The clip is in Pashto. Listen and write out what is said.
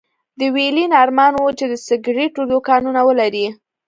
د ويلين ارمان و چې د سګرېټو دوکانونه ولري.